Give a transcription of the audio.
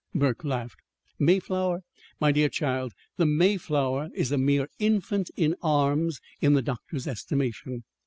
Burke laughed. "Mayflower! My dear child, the Mayflower is a mere infant in arms in the doctor's estimation.